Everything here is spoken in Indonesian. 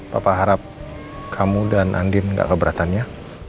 papa harap kamu dan andin nggak keberatannya